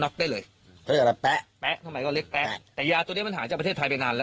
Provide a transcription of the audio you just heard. เขาปิดประเทศ